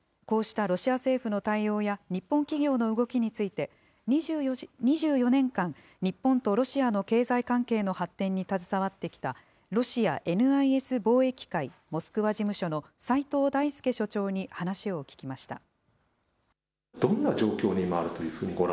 こうしたロシア政府の対応や、日本企業の動きについて、２４年間、日本とロシアの経済関係の発展に携わってきたロシアＮＩＳ貿易会モスクワ事務所の齋藤大輔所長に話を聞きました。